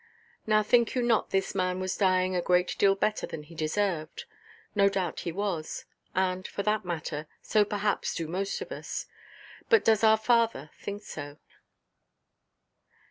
Now, think you not this man was dying a great deal better than he deserved? No doubt he was. And, for that matter, so perhaps do most of us. But does our Father think so?